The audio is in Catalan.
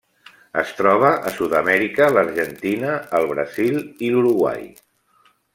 Es troba a Sud-amèrica: l'Argentina, el Brasil i l'Uruguai.